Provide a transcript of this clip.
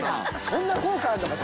そんな効果あるのか？